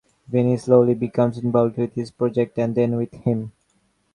Vinnie slowly becomes involved with his project, and then with him.